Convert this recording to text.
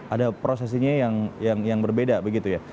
ada prosesinya yang berbeda begitu ya